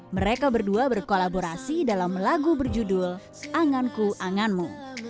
mereka berdua berkolaborasi dalam lagu berjudul anganku anganmu